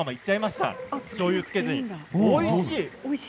しょうゆつけずにおいしい。